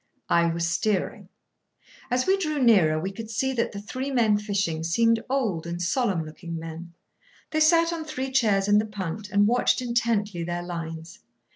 I was steering. As we drew nearer, we could see that the three men fishing seemed old and solemn looking men. They sat on three chairs in the punt, and watched intently their lines.